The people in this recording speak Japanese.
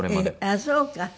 ああそうか。